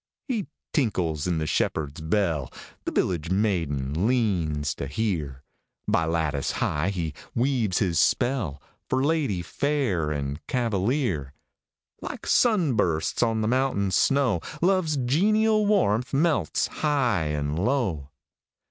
He tinkles in the shepherd s bell The village maiden leans to hear By lattice high he weaves his spell, For lady fair and cavalier : Like sun bursts on the mountain snow, Love s genial warmth melts high and low.